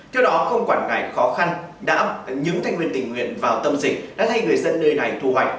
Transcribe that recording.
theo đó không quản ngại khó khăn những thành viên tình nguyện vào tâm dịch đã thấy người dân nơi này thu hoạch